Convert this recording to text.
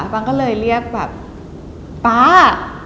บังก็เลยเรียกแบบป๊า